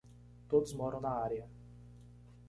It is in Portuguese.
Todos moram na área.